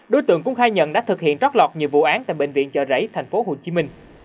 đối tượng cũng khai nhận đã thực hiện trót lọt nhiều vụ án tại bệnh viện chợ rẫy tp hcm